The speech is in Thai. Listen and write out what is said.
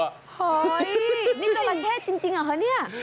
เฮ้ยนี่ตัวตะเข้จริงหรอเนี่ย